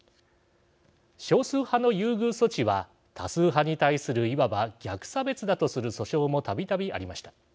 少数派の優遇措置は多数派に対する、いわば逆差別だとする訴訟もたびたびありました。